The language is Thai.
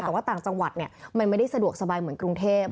แต่ว่าต่างจังหวัดมันไม่ได้สะดวกสบายเหมือนกรุงเทพ